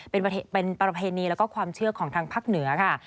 เป็นประเพณีแล้วก็ความเชื่อของทางภาคเหนือค่ะ